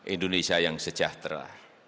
indonesia yang sejahtera